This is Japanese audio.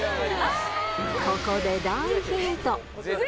ここで大ヒント。